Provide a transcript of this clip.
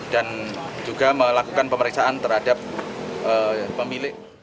dan juga melakukan pemeriksaan terhadap pemilik